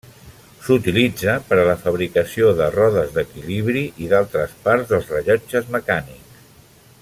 S'utilitza per a la fabricació de rodes d'equilibri i d'altres parts dels rellotges mecànics.